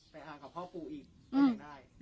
ไปอาบกับพ่อปู่อีกได้เลยจ้ะ